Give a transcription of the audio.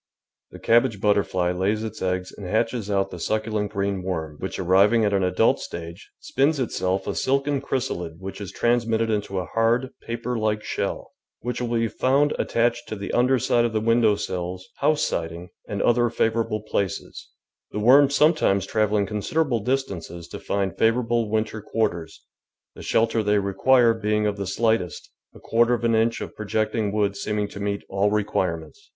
The cabbage butterfly lays its eggs and hatches out the succulent green worm, which, arriving at an adult stage, spins itself a silken chrysalid which is transmitted into a hard, paper like shell, which will be found attached to the underside of the window sills, house siding, and other favourable places, the worms sometimes travelling considerable distances to find favourable winter quarters, the shelter they require being of the slightest, a quarter of an inch of projecting wood seeming to meet all require ments.